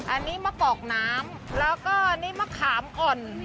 อันนี้มะกอกน้ำแล้วก็นี่มะขามอ่อน